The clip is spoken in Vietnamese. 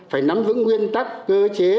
phải nắm vững nguyên tắc cơ chế